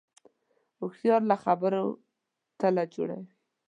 هوښیار له خبرو تله جوړوي